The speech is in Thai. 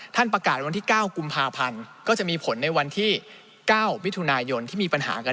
ท่านประกาศวันที่๙กุมภาพันธ์ก็จะมีผลในวันที่๙มิถุนายนที่มีปัญหากัน